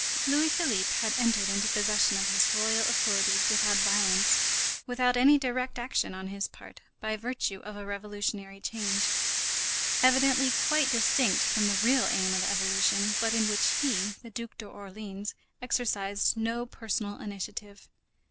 Louis Philippe had entered into possession of his royal authority without violence, without any direct action on his part, by virtue of a revolutionary change, evidently quite distinct from the real aim of the Revolution, but in which he, the Duc d'Orléans, exercised no personal initiative.